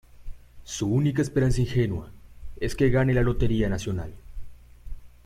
Su única esperanza ingenua es que gane la lotería nacional.